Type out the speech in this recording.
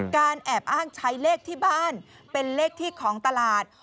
แอบอ้างใช้เลขที่บ้านเป็นเลขที่ของตลาด